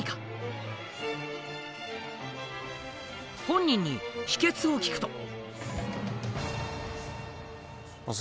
本人に秘けつを聞くと。